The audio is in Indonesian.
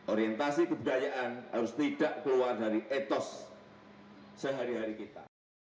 orientasi kebudayaan harus tidak keluar dari etos sehari hari kita